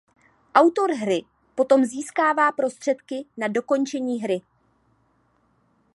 Autor hry potom získává prostředky na dokončení hry.